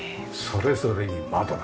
それぞれに窓だ。